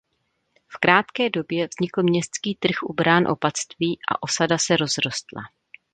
V krátké době vznikl městský trh u brán opatství a osada se rozrostla.